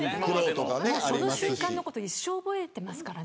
その瞬間のこと一生覚えてますからね。